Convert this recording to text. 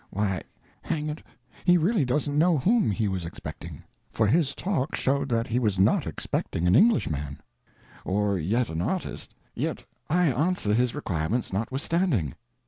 Why, hang it, he really doesn't know who he was expecting; for his talk showed that he was not expecting an Englishman, or yet an artist, yet I answer his requirements notwithstanding.